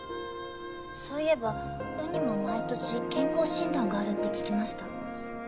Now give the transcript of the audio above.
そういえば鵜にも毎年健康診断があるって聞きました